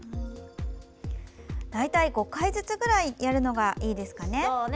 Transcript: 大体５回ずつくらいやるのがいいですかね。